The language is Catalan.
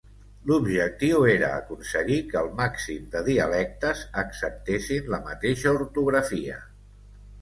L'objectiu era aconseguir que el màxim de dialectes acceptessin la mateixa ortografia.